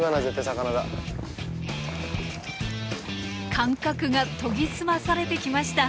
感覚が研ぎ澄まされてきました！